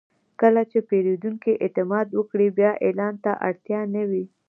کله چې پیرودونکی اعتماد وکړي، بیا اعلان ته اړتیا نه وي.